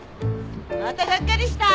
またがっかりした。